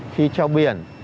khi treo biển